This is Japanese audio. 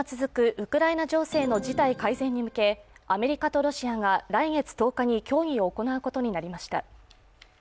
ウクライナ情勢の事態改善に向けアメリカとロシアが来月１０日に協議を行うことになりました。